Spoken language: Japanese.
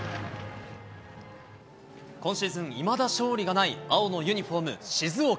今シーズン、いまだ勝利がない青のユニホーム、静岡。